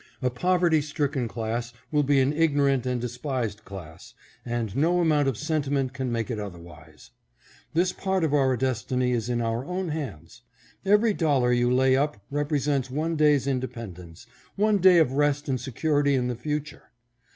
A poverty stricken class will be an ignorant and despised class, and no amount of sentiment can make it otherwise. This part of our destiny is in our own hands. Every dollar you lay up represents one day's independence, one day of rest and security in the future.